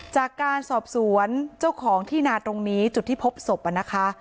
จากการสอบสวนเจ้าของที่นาตรงนี้จุดที่พบศพนะคะ